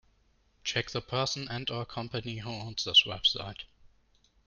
Check the person and/or company who owns this website.